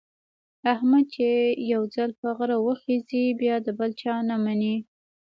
احمد چې یو ځل په غره وخېژي، بیا د بل چا نه مني.